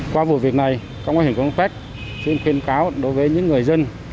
qua vụ việc này công an huyện cron park xin khuyên cáo đối với những người dân